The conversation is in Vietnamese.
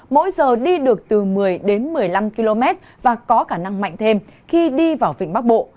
mỗi giờ đi được từ một mươi đến một mươi năm km và có khả năng mạnh thêm khi đi vào vịnh bắc bộ